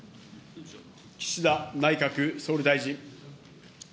岸田内閣総理大臣。